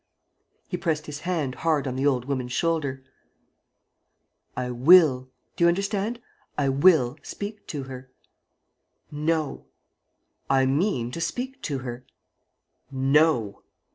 He pressed his hand hard on the old woman's shoulder: "I will do you understand? I will speak to her." "No." "I mean to speak to her." "No."